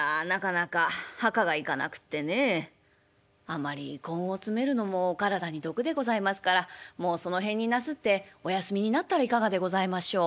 「あんまり根を詰めるのもお体に毒でございますからもうその辺になすってお休みになったらいかがでございましょう」。